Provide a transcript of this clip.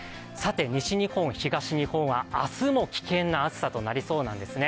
西日本、東日本は明日も危険な暑さとなりそうなんですね。